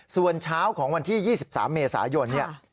ส่วนเช้าของวันที่๒๓เมษายนเนี่ย